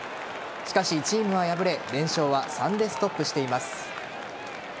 しかしチームは敗れ連勝は３でストップしています。